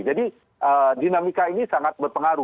jadi dinamika ini sangat berpengaruh